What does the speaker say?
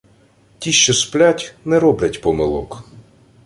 Ті, що сплять, не роблять помилок.